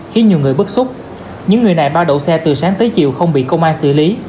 khiến nhiều người bức xúc những người này bao đậu xe từ sáng tới chiều không bị công an xử lý